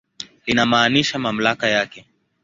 Linamaanisha mamlaka yake.